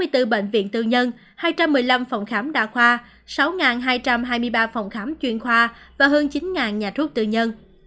hai mươi bốn bệnh viện tư nhân hai trăm một mươi năm phòng khám đa khoa sáu hai trăm hai mươi ba phòng khám chuyên khoa và hơn chín nhà thuốc tư nhân